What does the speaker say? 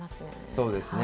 そうですね。